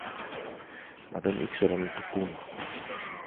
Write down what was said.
Μα δεν ήξεραν να του πουν.